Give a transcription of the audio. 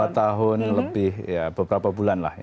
dua tahun lebih ya beberapa bulan lah